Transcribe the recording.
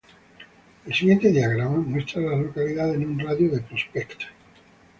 El siguiente diagrama muestra a las localidades en un radio de de Prospect.